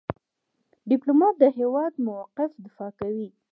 ډيپلومات د هیواد موقف دفاع کوي.